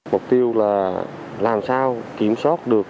mục tiêu là làm sao kiểm soát được